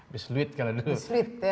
besluit kalau dulu